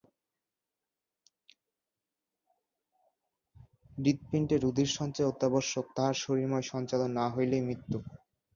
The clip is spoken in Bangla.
হৃৎপিণ্ডে রুধিরসঞ্চয় অত্যাবশ্যক, তাহার শরীরময় সঞ্চালন না হইলেই মৃত্যু।